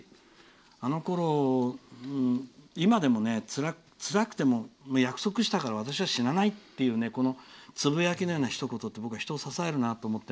あのころ、今でもつらくても約束したから私は死なないっていうつぶやきのようなひと言って僕は人を支えるなと思って。